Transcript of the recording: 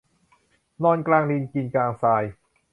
นอนกลางดินกินกลางทราย